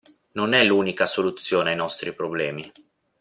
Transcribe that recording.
Non è l'unica soluzione ai nostri problemi.